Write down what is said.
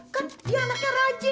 kan dia anaknya rajin